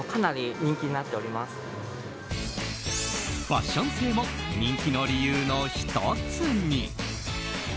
ファッション性も人気の理由の１つに。